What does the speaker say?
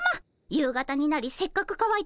夕方になりせっかくかわいた